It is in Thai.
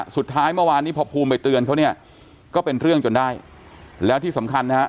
สุดท้ายเมื่อวานนี้พอภูมิไปเตือนเขาเนี่ยก็เป็นเรื่องจนได้แล้วที่สำคัญนะฮะ